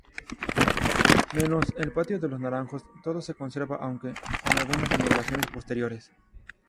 Menos el Patio de los Naranjos, todo se conserva aunque, con algunas remodelaciones posteriores.